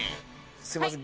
すいません。